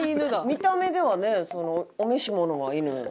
見た目ではねお召し物が犬。